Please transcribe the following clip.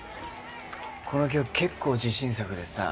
この曲結構自信作でさ。